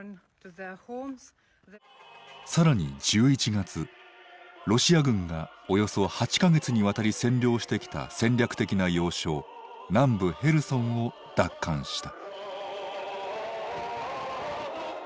さらに１１月ロシア軍がおよそ８か月にわたり占領してきた戦略的な要衝南部ヘルソンを奪還した。